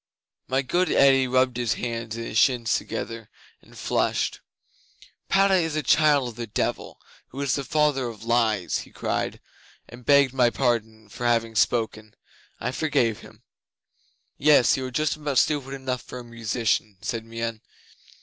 'My good Eddi rubbed his hands and his shins together, and flushed. "Padda is a child of the Devil, who is the father of lies!" he cried, and begged my pardon for having spoken. I forgave him. '"Yes. You are just about stupid enough for a musician," said Meon.